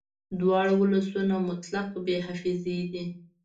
دواړه ولسونه مطلق بې حافظې دي